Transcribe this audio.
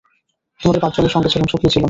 তোমাদের পাঁচজনের সঙ্গে ছিলুম, সুখেই ছিলুম।